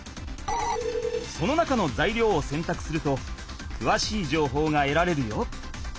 その中のざいりょうをせんたくするとくわしいじょうほうがえられるよ。